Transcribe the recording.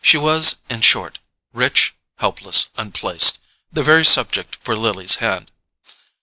She was, in short, rich, helpless, unplaced: the very subject for Lily's hand.